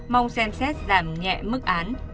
mong xem xét giảm nhẹ mức án